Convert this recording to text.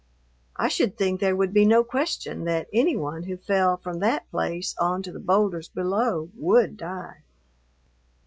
I should think there would be no question that any one who fell from that place on to the boulders below would die.